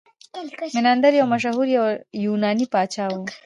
میناندر یو مشهور یوناني پاچا و